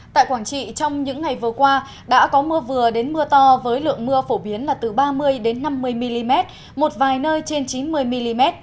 tại quảng trị trong những ngày vừa qua đã có mưa vừa đến mưa to với lượng mưa phổ biến là từ ba mươi năm mươi mm một vài nơi trên chín mươi mm